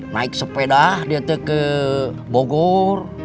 naik sepeda dia ke bogor